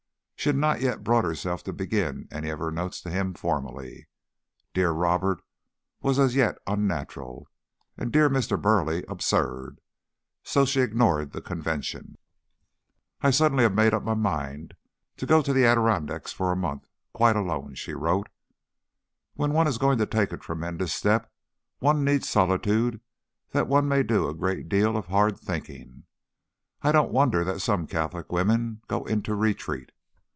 She had not yet brought herself to begin any of her notes to him formally. "Dear Robert" was as yet unnatural, and "Dear Mr. Burleigh" absurd; so she ignored the convention. "I suddenly have made up my mind to go to the Adirondacks for a month, quite alone," she wrote. "When one is going to take a tremendous step, one needs solitude that one may do a great deal of hard thinking. I don't wonder that some Catholic women go into retreat.